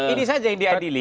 ini saja yang diadili